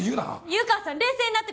湯川さん冷静になってください。